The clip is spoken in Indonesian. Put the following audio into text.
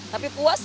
tapi puas sih